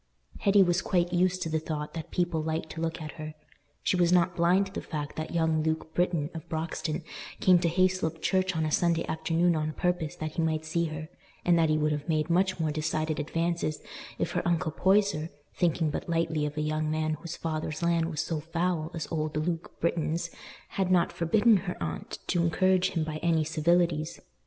Hetty was quite used to the thought that people liked to look at her. She was not blind to the fact that young Luke Britton of Broxton came to Hayslope Church on a Sunday afternoon on purpose that he might see her; and that he would have made much more decided advances if her uncle Poyser, thinking but lightly of a young man whose father's land was so foul as old Luke Britton's, had not forbidden her aunt to encourage him by any civilities.